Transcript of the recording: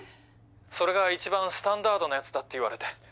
それが一番スタンダードなやつだって言われて。